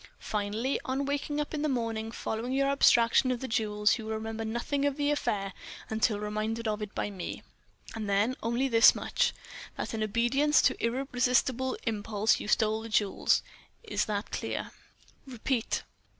Finally, on waking up on the morning following your abstraction of the jewels, you will remember nothing of the affair until reminded of it by me, and then only this much: That in obedience to irresistible impulse, you stole the jewels. Is that clear? Repeat